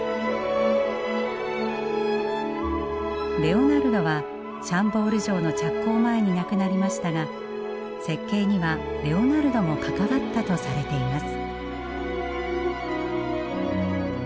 レオナルドはシャンボール城の着工前に亡くなりましたが設計にはレオナルドも関わったとされています。